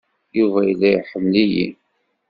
Yuba yella iḥemmel-iyi.